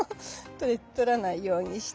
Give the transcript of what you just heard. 取らないようにして。